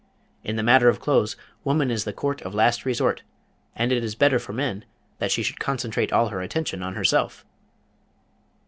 In the matter of clothes woman is the court of last resort, and it is better for men that she should concentrate all her attention on herself!"